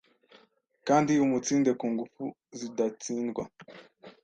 kandi umutsinde ku ngufu zidatsindwa